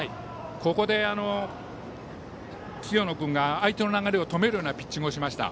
ここで清野君が相手の流れを止めるようなピッチングをしました。